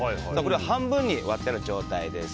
半分に割ってある状態です。